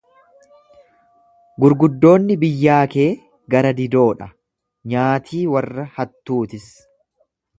Gurguddoonni biyyaa kee gara-didoo dha, nyaatii warra hattuu tis.